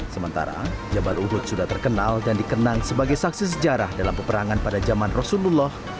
sementara jabal uhud sudah terkenal dan dikenang sebagai saksi sejarah dalam peperangan pada zaman rasulullah